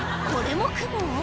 これも雲？